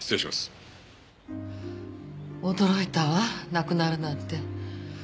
驚いたわ亡くなるなんて。